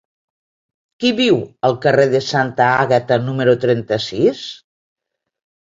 Qui viu al carrer de Santa Àgata número trenta-sis?